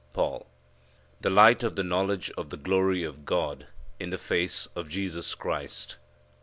Paul. "The light of the knowledge of the glory of God in the face of Jesus Christ."